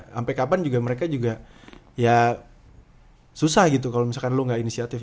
sampai kapan mereka juga susah gitu kalau misalkan lo nggak inisiatif